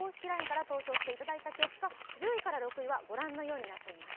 ＬＩＮＥから投票していただいた結果、１０位から６位はご覧のようになっています。